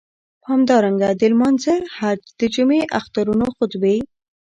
همدارنګه د لمانځه، حج، د جمعی، اخترونو خطبی.